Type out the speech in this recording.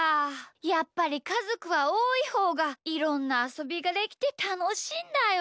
やっぱりかぞくはおおいほうがいろんなあそびができてたのしいんだよ！